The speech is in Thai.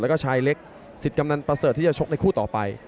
แล้วก็ชายเล็กสิทธิ์กำนันประเสริฐที่จะชกในคู่ต่อไป